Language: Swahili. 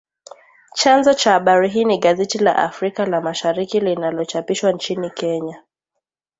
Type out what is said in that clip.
Chanzo cha habari hii ni gazeti la Africa la Mashariki linalochapishwa nchini Kenya